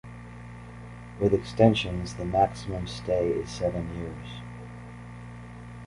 With extensions, the maximum stay is seven years.